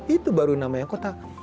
itu baru namanya kota